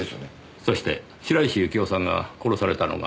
そして白石幸生さんが殺されたのが。